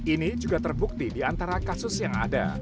ini juga terbukti di antara kasus yang ada